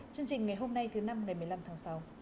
chương trình ngày hôm nay thứ năm ngày một mươi năm tháng sáu